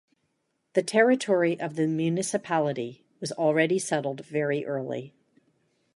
The territory of the municipality was already settled very early.